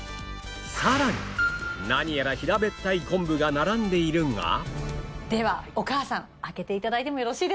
さらに何やら平べったい昆布が並んでいるがではお母さん開けて頂いてもよろしいですか？